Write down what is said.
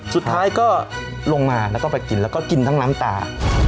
สุดท้ายก็ลงมาแล้วก็ไปกินแล้วก็กินทั้งน้ำตา